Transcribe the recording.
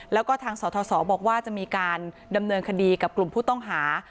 แล้วก็ทางสทศบอกว่าจะมีการดำเนินคดีกับกลุ่มผู้ต้องหา